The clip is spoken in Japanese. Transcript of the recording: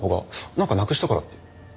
なんかなくしたからって。